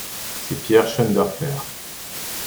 C'est Pierre Schoendoerffer.